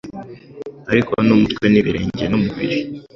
ariko n'umutwe n'ibirenge n'umubiri